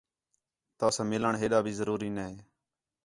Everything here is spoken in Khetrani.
تَؤ ساں مِِلݨ ہیݙا بھی ضروری نئے